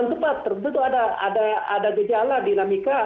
tempat tersebut ada gejala dinamika